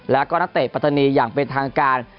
แล้วก็นักเตะปัตตานีอย่างเป็นทางการ